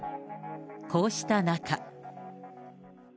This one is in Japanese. こうした中。